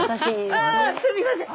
あすみません。